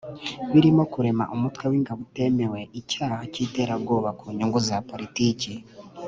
Birimo kurema umutwe w’ingabo utemewe, icyaha cy’iterabwoba ku nyungu za politiki